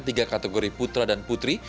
tiga kategori putra dan putri